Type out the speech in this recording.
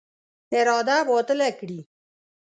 اراده باطله کړي.